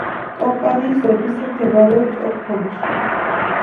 კომპანიის ოფისი მდებარეობს სტოკჰოლმში.